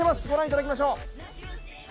御覧いただきましょう。